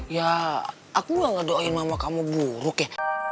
ya aku yang nge doain mama kamu buruk ya